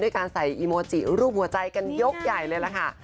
การใส่อีโมจิรูปหัวใจกันยกใหญ่เลยล่ะค่ะ